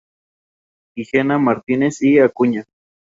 Gigena, Martínez y Acuña.